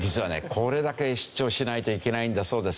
これだけ出張しないといけないんだそうですよ。